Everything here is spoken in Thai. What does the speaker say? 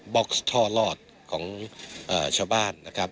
็อกซ์ท่อลอดของชาวบ้านนะครับ